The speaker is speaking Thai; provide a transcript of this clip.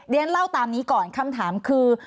เรียนเล่าตามนี้ก่อนคำถามคือ